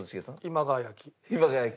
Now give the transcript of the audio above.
今川焼。